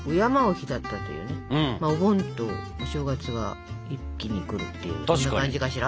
お盆とお正月が一気に来るっていうそんな感じかしら。